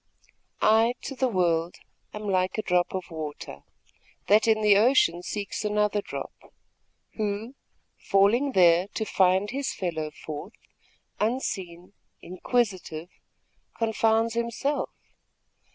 I, to the world, am like a drop of water, That in the ocean seeks another drop, Who, falling there to find his fellow forth, Unseen, inquisitive, confounds himself.